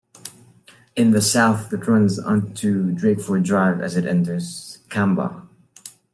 In the south, it runs onto Drakeford Drive as it enters Kambah.